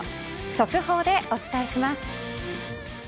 速報でお伝えします。